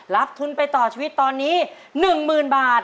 รับทุนไปต่อชีวิตตอนนี้๑หมื่นบาท